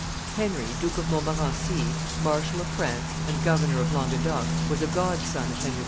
Henry, Duke of Montmorency, marshal of France, and governor of Languedoc, was a godson of Henry IV.